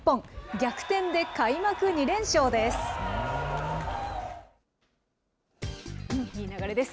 逆転で開幕２連勝です。